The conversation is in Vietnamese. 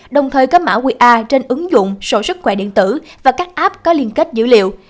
đồng thời có mã qr trên ứng dụng sổ sức khỏe điện tử và các app có liên kết dữ liệu